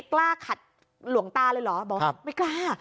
กล้าขัดหลวงตาเลยเหรอบอกว่าไม่กล้า